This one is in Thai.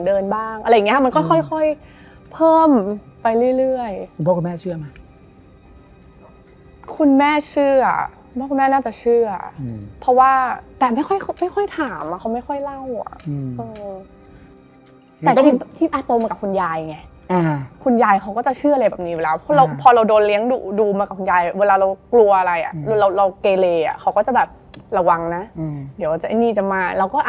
เราก็เลยเป็นห่วงกันว่ามันไปทำอะไรมา